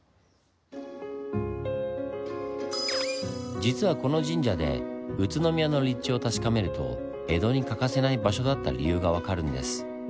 実はこの神社で宇都宮の立地を確かめると江戸に欠かせない場所だった理由が分かるんです。